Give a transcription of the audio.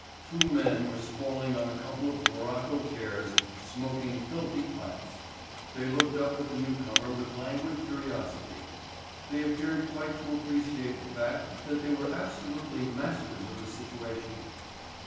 Two men were sprawling on a couple of morocco chairs smoking filthy pipes. They looked up at the newcomer with languid curiosity. They appeared quite to appreciate the fact that they were absolutely masters of the situation.